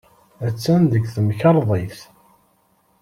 Attan deg temkarḍit.